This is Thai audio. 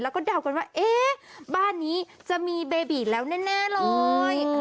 แล้วก็เดากันว่าเอ๊ะบ้านนี้จะมีเบบีแล้วแน่เลย